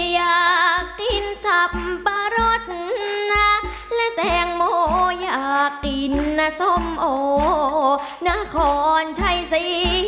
อยากกินสับปะรดและแตโงอยากกินส้มโอ้ขอนชัยซี